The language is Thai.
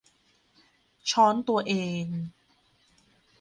ช้อนตัวเอง